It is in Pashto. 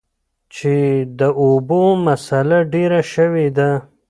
چې د اوبو مسله ډېره شوي ده ـ